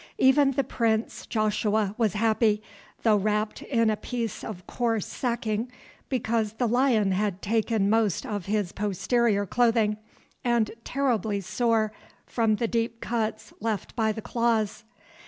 Even the Prince Joshua was happy, though wrapped in a piece of coarse sacking because the lion had taken most of his posterior clothing, and terribly sore from the deep cuts left by the claws.